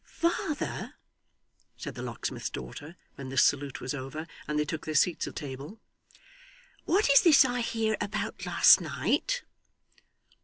'Father,' said the locksmith's daughter, when this salute was over, and they took their seats at table, 'what is this I hear about last night?